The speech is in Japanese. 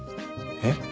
えっ？